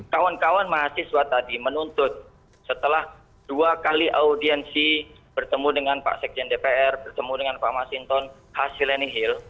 kawan kawan mahasiswa tadi menuntut setelah dua kali audiensi bertemu dengan pak sekjen dpr bertemu dengan pak masinton hasil lenihil